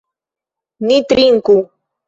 Ni trinku!